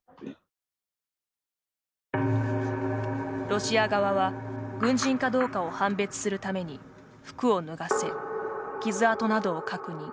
ロシア側は、軍人かどうかを判別するために服を脱がせ傷痕などを確認。